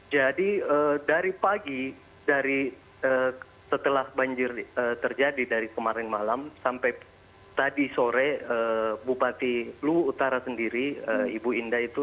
jadi dari pagi setelah banjir terjadi dari kemarin malam sampai tadi sore bupati luwutara sendiri ibu indah itu